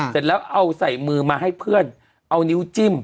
เสร็จแล้วเอาใส่มือมาให้เพื่อนเอานิ้วจิ้ม